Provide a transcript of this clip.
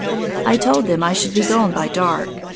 I told them I should be gone by dark.